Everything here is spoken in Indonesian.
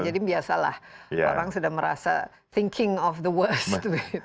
jadi biasalah orang sudah merasa thinking of the worst